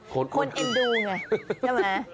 คนเอ็นดูไง